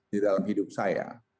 di dalam hidup saya